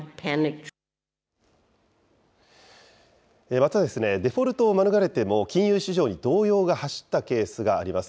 また、デフォルトを免れても、金融市場に動揺が走ったケースがあります。